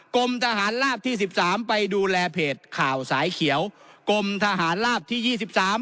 กรมทหารลาบที่สิบสามไปดูแลเพจข่าวสายเขียวกรมทหารลาบที่ยี่สิบสาม